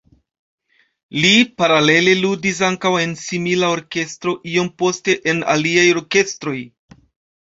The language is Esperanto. Li paralele ludis ankaŭ en simila orkestro, iom poste en aliaj orkestroj.